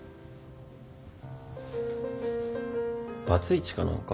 バツイチかなんか？